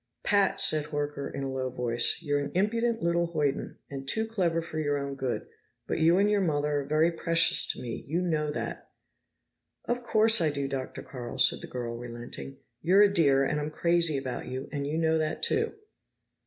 "Pat," said Horker in a low voice, "you're an impudent little hoyden, and too clever for your own good, but you and your mother are very precious to me. You know that." "Of course I do, Dr. Carl," said the girl, relenting. "You're a dear, and I'm crazy about you, and you know that, too."